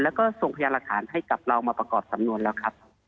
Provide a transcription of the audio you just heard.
แล้วก็ส่งพยานหลักฐานให้กับเรามาประกอบสำนวนแล้วครับ